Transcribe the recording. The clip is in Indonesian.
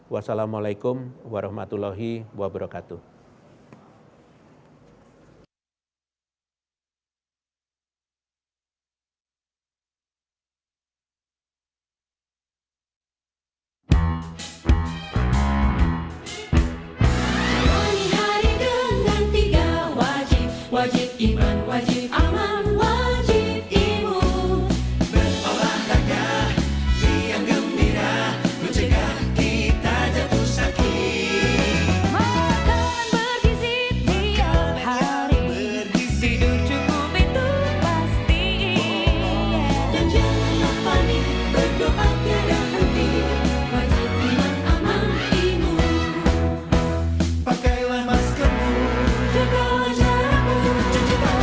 wassalamu'alaikum warahmatullahi wabarakatuh